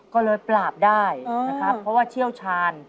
ก็เลยปราบได้นะครับเพราะว่าเชี่ยวชาญ